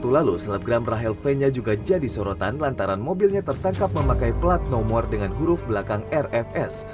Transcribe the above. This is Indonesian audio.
dua ribu dua puluh satu lalu selebgram rahel v nya juga jadi sorotan lantaran mobilnya tertangkap memakai pelat nomor dengan huruf belakang rfs